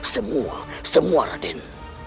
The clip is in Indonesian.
semua semua radin